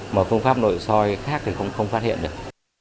mà phương pháp nội soi khác thì cũng không phát hiện được